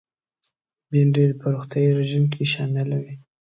بېنډۍ په روغتیایي رژیم کې شامله وي